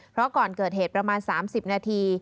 เพราะก่อนเกิดเหตุประมาณ๓๐นาที